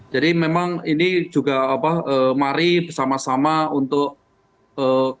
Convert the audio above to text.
jadi memang ini juga apa mari bersama sama untuk ketertiban